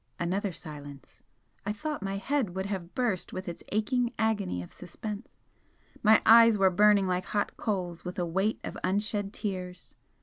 Another silence. I thought my head would have burst with its aching agony of suspense, my eyes were burning like hot coals with a weight of unshed tears.